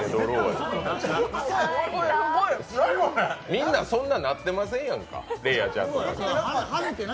みんな、そんななってませんやんか、れいあちゃんとか。